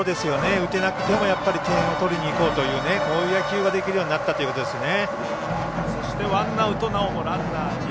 打てなくてもやっぱり点を取りにいくというこういう野球ができるようになったということですね。